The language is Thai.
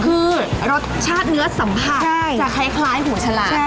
คือรสชาติเนื้อสัมผัสจะคล้ายหูฉลาด